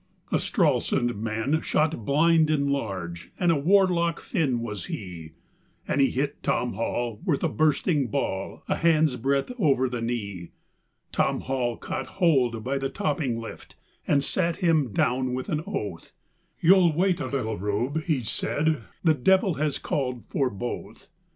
A Stralsund man shot blind and large, and a warlock Finn was he, And he hit Tom Hall with a bursting ball a hand's breadth over the knee. Tom Hall caught hold by the topping lift, and sat him down with an oath, "You'll wait a little, Rube," he said, "the Devil has called for both.